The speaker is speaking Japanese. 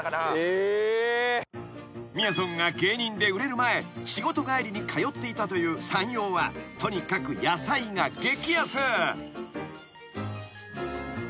［みやぞんが芸人で売れる前仕事帰りに通っていたというさんようはとにかく野菜が激安］